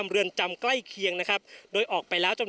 พร้อมด้วยผลตำรวจเอกนรัฐสวิตนันอธิบดีกรมราชทัน